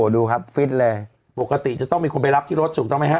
ดูครับฟิตเลยปกติจะต้องมีคนไปรับที่รถถูกต้องไหมฮะ